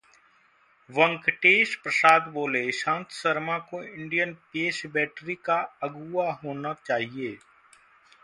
वेंकटेश प्रसाद बोले, ईशांत शर्मा को Indian pace battery का अगुवा होना चाहिए